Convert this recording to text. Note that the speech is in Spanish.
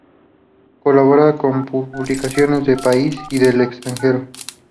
Colabora con publicaciones del país y del extranjero.